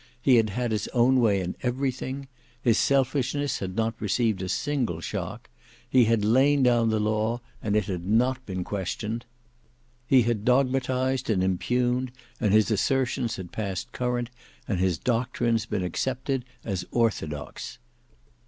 He had had his own way in everything. His selfishness had not received a single shock. He had lain down the law and it had not been questioned. He had dogmatised and impugned, and his assertions had passed current, and his doctrines been accepted as orthodox.